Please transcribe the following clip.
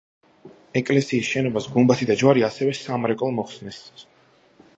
ეკლესიის შენობას გუმბათი და ჯვარი, ასევე სამრეკლო მოხსნეს.